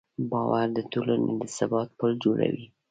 باور د ټولنې د ثبات پل جوړوي.